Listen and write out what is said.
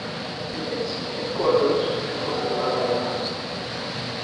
Its headquarters is in London.